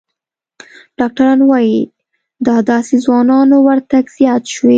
ډاکتران وايي، د داسې ځوانانو ورتګ زیات شوی